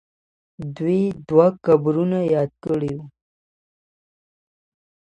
دوی دوه قبرونه یاد کړي وو.